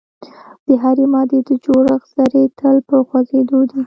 د هرې مادې د جوړښت ذرې تل په خوځیدو دي.